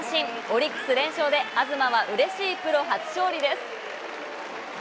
オリックス連勝で、東はうれしいプロ初勝利です。